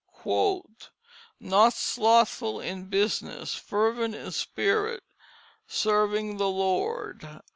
2: "Not slothful in business, fervent in spirit, serving the Lord."